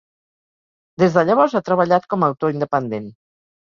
Des de llavors ha treballat com a autor independent.